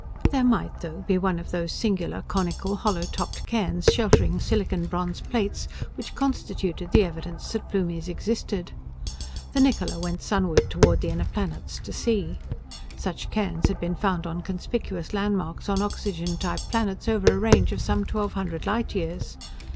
There might, though, be one or more of those singular, conical, hollow topped cairns sheltering silicon bronze plates, which constituted the evidence that Plumies existed. The Niccola went sunward toward the inner planets to see. Such cairns had been found on conspicuous landmarks on oxygen type planets over a range of some twelve hundred light years.